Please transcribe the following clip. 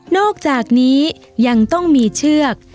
อกจากนี้ยังต้องมีเชือก